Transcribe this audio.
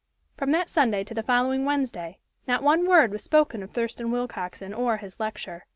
From that Sunday to the following Wednesday, not one word was spoken of Thurston Willcoxen or his lecture.